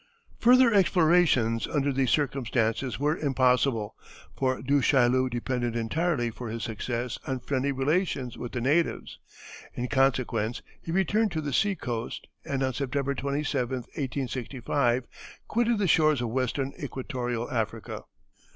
Further explorations under these circumstances were impossible, for Du Chaillu depended entirely for his success on friendly relations with the natives; in consequence he returned to the sea coast, and on September 27, 1865, quitted the shores of Western Equatorial Africa.